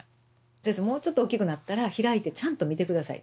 「先生もうちょっと大きくなったら開いてちゃんと見て下さい」って。